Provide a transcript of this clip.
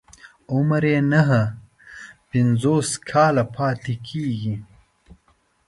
عمر يې نهه پنځوس کاله پاتې کېږي.